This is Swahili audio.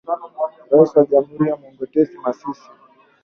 Rais wa jamhuri ni Mokgweetsi Masisi